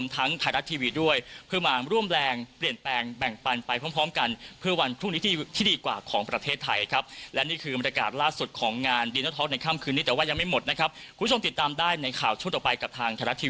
ทั้งภาครัฐและให้คุณผู้ชมช่วยกัน